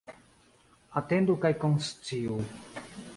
Atendu kaj konsciu.